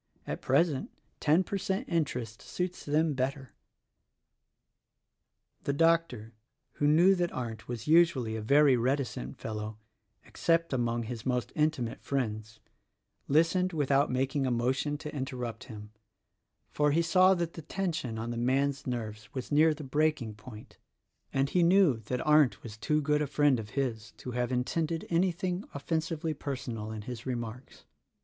At present ten per cent interest suits them better." The doctor who knew that Arndt was usually a very reticent fellow — except among his most intimate friends — listened without making a motion to interrupt him; for he saw that the tension on the man's nerves was near the 44 THE RECORDING ANGEL breaking point, and he knew that Arndt was too good a friend of his to have intended anything offensively per sonal in his remarks.